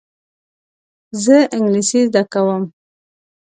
زه انګلیسي زده کوم.